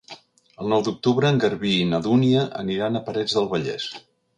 El nou d'octubre en Garbí i na Dúnia aniran a Parets del Vallès.